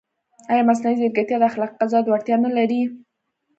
ایا مصنوعي ځیرکتیا د اخلاقي قضاوت وړتیا نه لري؟